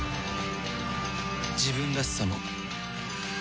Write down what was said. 自分らしさも